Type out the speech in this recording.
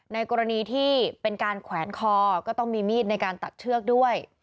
ในกรณีที่เป็นการแขวนคอก็ต้องมีมีดในการตัดเชือกด้วย